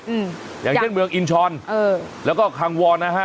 อืมอย่างเช่นเมืองอินชรเออแล้วก็คังวอร์นะฮะค่ะ